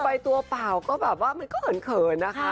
ก็ไปตัวเปล่าก็แบบว่าก็เหอะเผิน